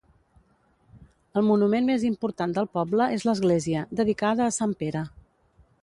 El monument més important del poble és l'església, dedicada a Sant Pere.